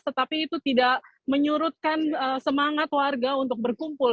tetapi itu tidak menyurutkan semangat warga untuk berkumpul